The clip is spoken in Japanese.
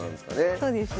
そうですね。